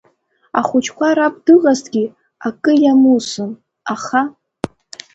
Ахәыҷқәа раб дыҟазҭгьы, акы иамусын, аха…